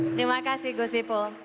terima kasih guzipul